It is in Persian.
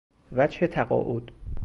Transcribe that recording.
وجه تقاعد